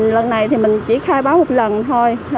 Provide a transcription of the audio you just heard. lần này thì mình chỉ khai báo một lần thôi